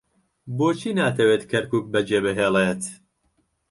بۆچی ناتەوێت کەرکووک بەجێبهێڵێت؟